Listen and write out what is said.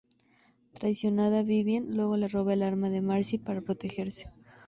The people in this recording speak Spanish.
Traicionada, Vivien luego le roba el arma de Marcy para protegerse.